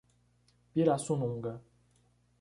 Pirassununga